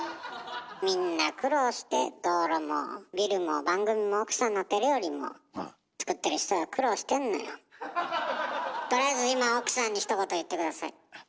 みんな苦労して道路もビルも番組も奥さんの手料理もとりあえず今奥さんにひと言言って下さい。